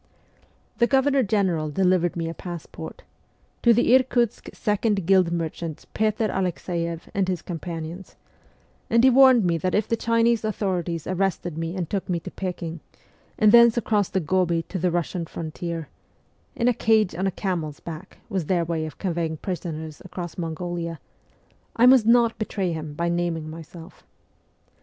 The Governor General delivered me a passport, ' To the Irkutsk second guild merchant Petr Alexeiev and his companions,' and he warned me that if the Chinese authorities arrested me and took me to Pekin, and thence across the Gobi to the Eussian frontier in a cage on a camel's back was their way of conveying prisoners across Mongolia I must not betray him by naming myself.